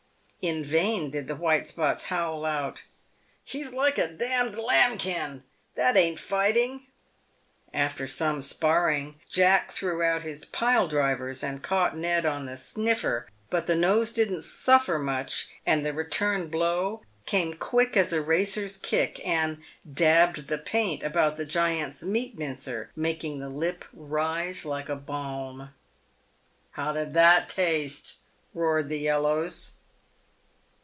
In vain did the white spots howl out, " He's like a d d lambkin, that ain't fight ing." After some sparring, Jack threw out his " pile drivers" and caught Ned on the "sniffer," but the nose didn't suffer much, and the return blow came quick as a racer's kick, and " dabbed the paint" about the giant's " meat mincer," making the lip rise like balm. " How did that taste ?" roared the yellows.